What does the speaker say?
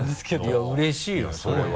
いやうれしいよそれは。